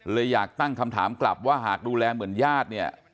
เลยอยากตั้งคำถามกลับว่าหากดูแลเหมือนญาติเนี่ย